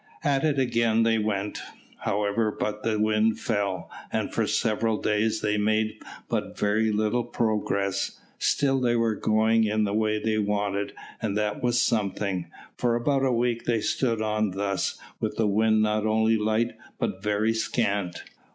At it again they went, however, but the wind fell, and for several days they made but very little progress. Still they were going in the way they wanted, and that was something. For about a week they stood on thus, with the wind not only light but very scant.